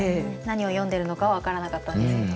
何を詠んでるのかは分からなかったんですけど